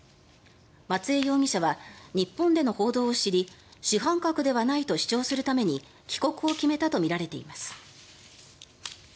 松江容疑者は日本での報道を知り主犯格ではないと主張するために帰国を決めたとみられています。